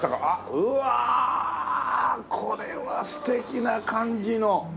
うわこれは素敵な感じの。